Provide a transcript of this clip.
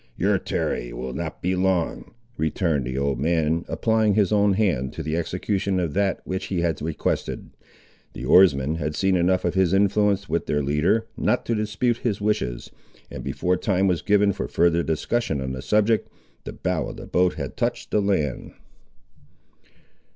"Your tarry will not be long," returned the old man, applying his own hand to the execution of that which he had requested. The oarsmen had seen enough of his influence, with their leader, not to dispute his wishes, and before time was given for further discussion on the subject, the bow of the boat had touched the land.